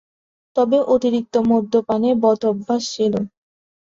তবে অতিরিক্ত মদ্যপানের বদ অত্যাস ছিল।